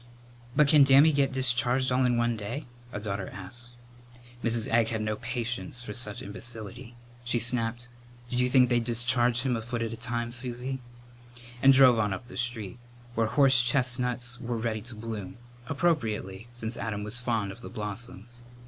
"But can Dammy get discharged all in one day?" a daughter asked. Mrs. Egg had no patience with such imbecility. She snapped, "Did you think they'd discharge him a foot at a time, Susie?" and drove on up the street, where horsechestnuts were ready to bloom, appropriately, since Adam was fond of the blossoms.